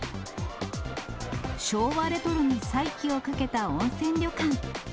昭和レトロに再起をかけた温泉旅館。